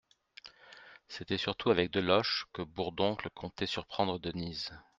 C'était surtout avec Deloche que Bourdoncle comptait surprendre Denise.